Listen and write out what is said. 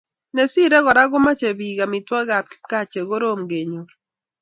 Nesirei ni Kora komochei bik amitwogikab kipkaa chekorom kenyor